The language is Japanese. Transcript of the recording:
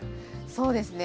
そうですね。